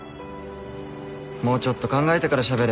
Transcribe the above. もうちょっと考えてからしゃべれ。